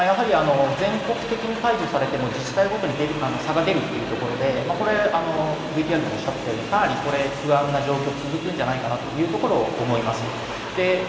全国的に解除されても、自治体ごとに差が出るというところでかなり不安な状況が続くんじゃないかなと思います。